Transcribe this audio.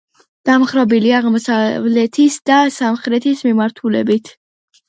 დამხრობილია აღმოსავლეთის და სამხრეთის მიმართულებით.